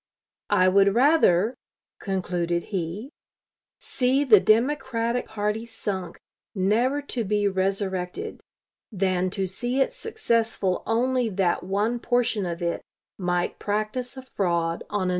I would rather," concluded he "see the Democratic party sunk, never to be resurrected, than to see it successful only that one portion of it might practice a fraud on another."